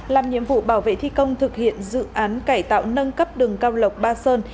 làm nhiệm vụ bảo vệ thi công thực hiện dự án cải tạo nâng cấp đường cao lộc ba sơn